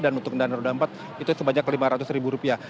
dan untuk dana roda empat itu sebanyak lima ratus ribu rupiah